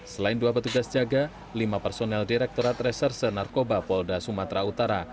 selain dua petugas jaga lima personel direkturat reserse narkoba polda sumatera utara